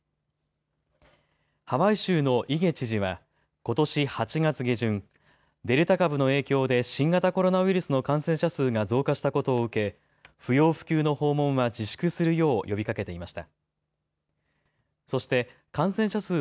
ハワイ州のイゲ知事はことし８月下旬、デルタ株の影響で新型コロナウイルスの感染者数が増加したことを受け不要不急の訪問は自粛するよう呼びかけていました。